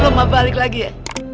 belum mau balik lagi ya